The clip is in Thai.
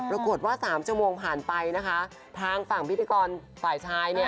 ปรากฏว่า๓ชั่วโมงผ่านไปนะคะทางฝั่งพิธีกรฝ่ายชายเนี่ย